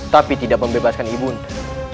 tapi tidak membebaskan ibu untuk